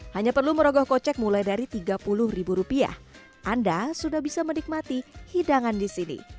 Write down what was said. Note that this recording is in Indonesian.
hanya perlu merogoh kocek mulai dari tiga puluh ribu rupiah anda sudah bisa menikmati hidangan di sini